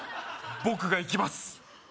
僕が行きます